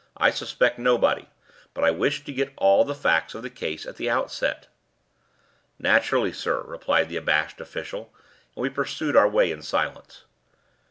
"I suspect nobody; but I wish to get all the facts of the case at the outset." "Naturally, sir," replied the abashed official; and we pursued our way in silence.